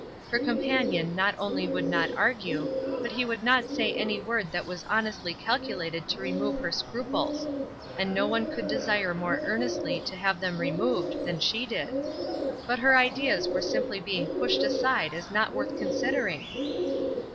Her companion not only would not argue, but he would not say any word that was honestly calculated to re move her scruples; and no one could desire more earnestly to have them removed than she did. But her ideas were simply being pushed aside as not worth considering.